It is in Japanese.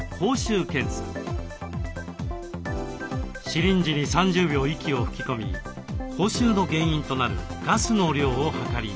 シリンジに３０秒息を吹き込み口臭の原因となるガスの量を測ります。